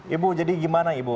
ibu jadi gimana ibu